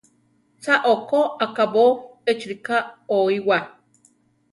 ¡Cha okó akábo échi rika oíwaa!